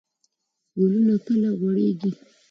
ګلونه کله غوړیږي؟